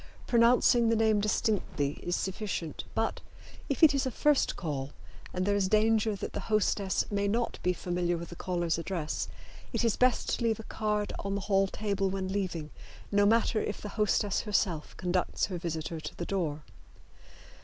Pronouncing the name distinctly is sufficient, but, if it is a first call, and there is danger that the hostess may not be familiar with the caller's address, it is best to leave a card on the hall table when leaving, no matter if the hostess herself conducts her visitor to the door.